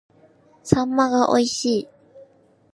秋刀魚が美味しい